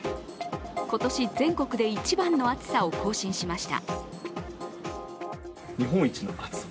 今年、全国で一番の暑さを更新しました。